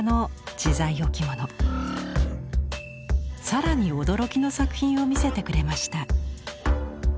更に驚きの作品を見せてくれました。